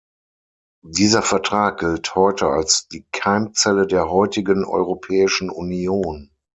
Dieser Vertrag gilt heute als die Keimzelle der heutigen Europäischen Union.